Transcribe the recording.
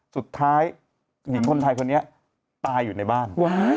สุดท้ายหญิงคนไทยคนนี้ตายอยู่ในบ้าน